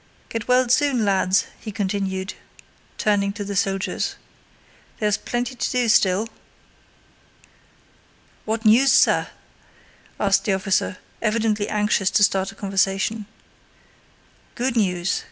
"Get well soon, lads!" he continued, turning to the soldiers. "There's plenty to do still." "What news, sir?" asked the officer, evidently anxious to start a conversation. "Good news!...